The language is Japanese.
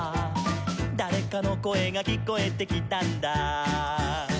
「だれかのこえがきこえてきたんだ」